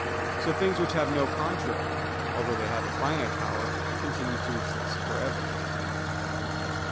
So things which have no contrary, although they have a finite power, continue to exist for ever.